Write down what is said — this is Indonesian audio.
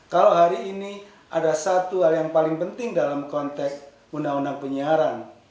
kalau hari ini ada satu hal yang paling penting dalam konteks undang undang penyiaran